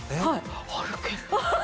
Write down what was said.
歩ける。